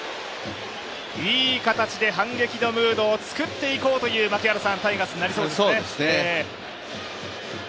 いい形で反撃のムードを作っていこうというタイガースになりそうですね。